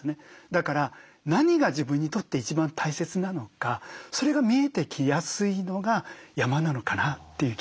だから何が自分にとって一番大切なのかそれが見えてきやすいのが山なのかなという気がしてます。